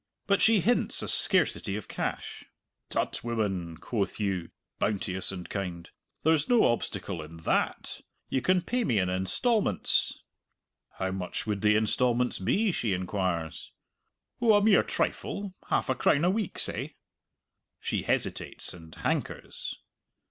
But she hints a scarcity of cash. "Tut, woman!" quoth you, bounteous and kind, "there's no obstacle in that! You can pay me in instalments!" How much would the instalments be, she inquires. "Oh, a mere trifle half a crown a week, say." She hesitates and hankers.